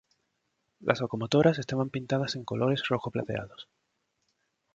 Las locomotoras estaban pintadas en colores rojo-plateados.